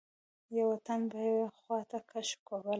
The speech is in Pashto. یوه تن به یوې خواته کش کولم.